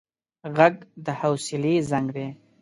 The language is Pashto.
غږ د حوصله زنګ دی